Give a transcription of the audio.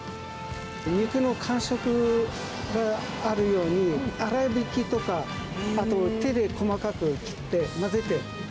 肉の感触があるように、粗びきとかあと、手で細かく切って混ぜて。